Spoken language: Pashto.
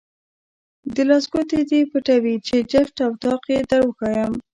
د لاس ګوتې دې پټوې چې جفت او طاق یې دروښایم.